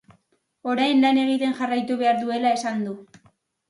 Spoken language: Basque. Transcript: Orain lan egiten jarraitu behar dutela esan du.